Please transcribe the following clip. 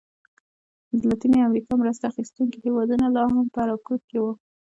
د لاتینې امریکا مرسته اخیستونکي هېوادونه لا هم په رکود کې وو.